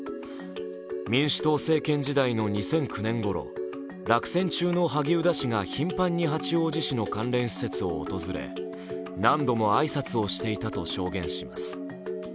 民主党政権時代の２００９年ごろ落選中の萩生田氏が頻繁に八王子市の関連施設を訪れ、何度も挨拶をしていたと証言します。